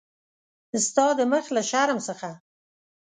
ستا د مخ له شرم څخه.